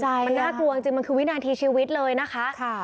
มันน่ากลัวจริงมันคือวินาทีชีวิตเลยนะคะ